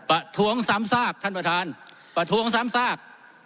ประทวงสามทรากท่านประทานประทวงสามทราก